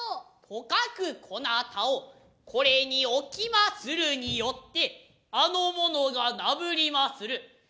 とかくこなたをこれに置きまするによってあの者が嬲りまする。